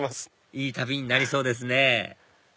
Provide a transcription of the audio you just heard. いい旅になりそうですね